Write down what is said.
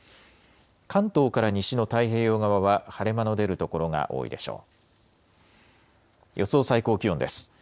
関東から西の太平洋側は晴れ間の出る所が多いでしょう。